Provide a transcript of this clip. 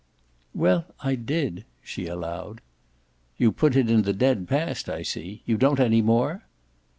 "Well, I did," she allowed. "You put it in the dead past, I see. You don't then any more?"